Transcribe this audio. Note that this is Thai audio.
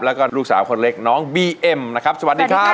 แล้วก็ลูกสาวคนเล็กน้องบีเอ็มนะครับสวัสดีครับ